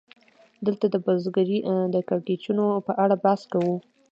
دلته د بزګرۍ د کړکېچونو په اړه بحث کوو